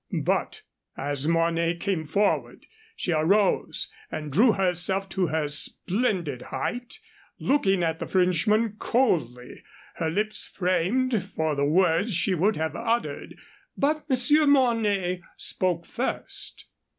But as Mornay came forward she arose and drew herself to her splendid height, looking at the Frenchman coldly, her lips framed for the words she would have uttered. But Monsieur Mornay spoke first.